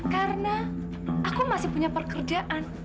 karena aku masih punya pekerjaan